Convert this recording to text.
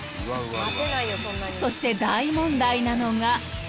［そして大問題なのが］